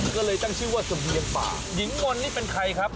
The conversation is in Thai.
ก็เลยตั้งชื่อว่าเสบียงป่าหญิงมนต์นี่เป็นใครครับ